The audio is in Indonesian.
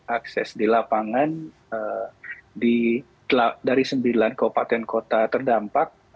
akses di lapangan dari sembilan kabupaten kota terdampak